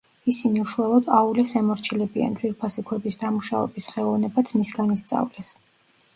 ისინი უშუალოდ აულეს ემორჩილებიან, ძვირფასი ქვების დამუშავების ხელოვნებაც მისგან ისწავლეს.